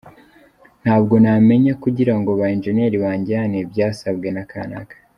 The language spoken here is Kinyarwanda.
Ntabwo namenya kugira ngo ba ingénierie banjyane byasabwe na kanaka.